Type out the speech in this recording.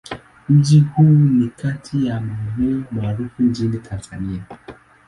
Mji huu ni kati ya maeneo maarufu nchini Tanzania.